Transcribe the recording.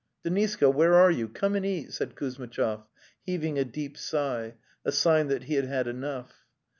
'" Deniska, where are you? Come and eat," said Kuzmitchov, heaving a deep sigh, a sign that he had had enough.